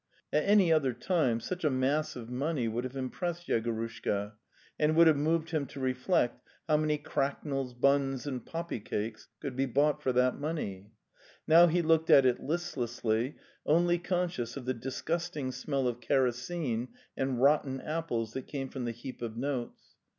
At any other time such a mass of money would have impressed Yegorushka, and would have moved him to reflect how many cracknels, buns and poppy cakes could be bought for that money. Now he looked at it list lessly, only conscious of the disgusting smell of kero sene and rotten apples that came from the heap of notes.